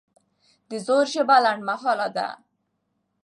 د زور ژبه لنډمهاله ده